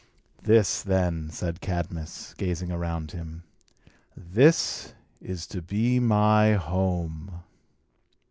"This, then," said Cadmus, gazing around him, "this is to be my home."